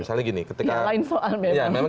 ya lain soal memang